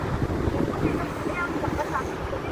دروژې د هري ورځي ثواب واخله